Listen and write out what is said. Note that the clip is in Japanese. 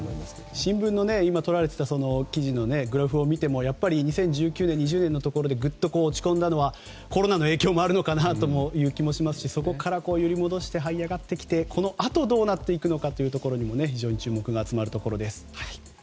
新聞で今、撮られていたグラフを見てもやっぱり２０１９年、２０年で落ち込んだのはコロナの影響もあるのかなという気もしますしそこから戻してはい上がってきてこのあとどうなっていくのかにも非常に注目が集まるところです。